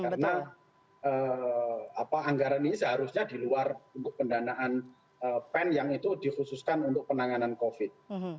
karena anggaran ini seharusnya di luar pendanaan pen yang itu di khususkan untuk penanganan covid